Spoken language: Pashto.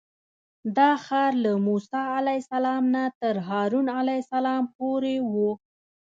دا ښار له موسی علیه السلام نه تر هارون علیه السلام پورې و.